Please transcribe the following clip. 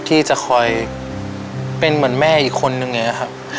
ที่จะคอยเป็นเหมือนแม่อีกคนนึงอย่างนี้ครับ